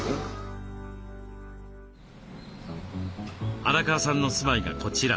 荒川さんの住まいがこちら。